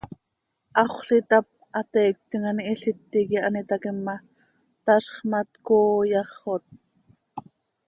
Haxöl itáp, hateiictim an ihiliti quih an itaquim ma, tazx ma, tcooo yaxot.